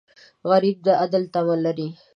غریب د عدل تمه لري